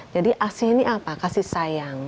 jadi asih ini apa kasih sayang